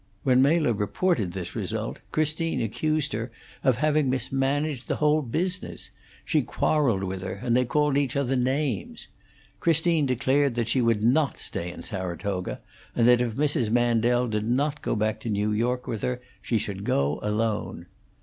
When Mela reported this result, Christine accused her of having mismanaged the whole business; she quarrelled with her, and they called each other names. Christine declared that she would not stay in Saratoga, and that if Mrs. Mandel did not go back to New York with her she should go alone.